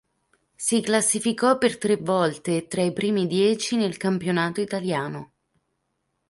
Si classificò per tre volte tra i primi dieci nel campionato italiano.